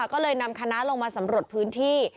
ก็เลยนำคณะลงมาสำรวจพื้นที่